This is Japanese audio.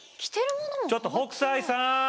ちょっと北斎さん！